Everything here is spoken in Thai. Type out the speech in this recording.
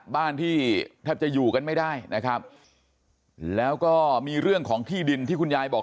บ้านที่แทบจะอยู่กันไม่ได้นะครับแล้วก็มีเรื่องของที่ดินที่คุณยายบอก